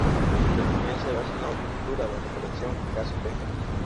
Su economía se basa en la horticultura, la recolección, caza y pesca.